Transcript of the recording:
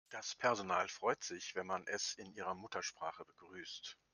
Das Personal freut sich, wenn man es in ihrer Muttersprache begrüßt.